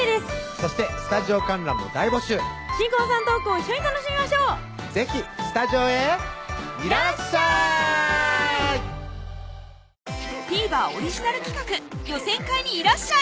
そしてスタジオ観覧も大募集新婚さんのトークを一緒に楽しみましょう是非スタジオへいらっしゃいＴＶｅｒオリジナル企画「予選会にいらっしゃい！」